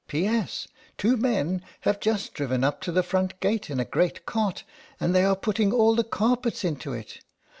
P. S. Two men have just driven up to the front gate in a great cart, and they are putting all the carpets into it.